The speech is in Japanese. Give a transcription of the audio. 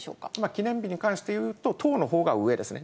記念日に関していうと、党のほうが上ですね。